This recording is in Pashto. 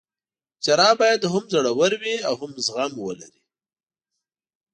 جراح باید هم زړه ور وي او هم زغم ولري.